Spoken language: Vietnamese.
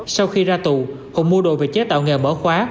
sau khi ra tù hùng mua đồ về chế tạo nghề mở khóa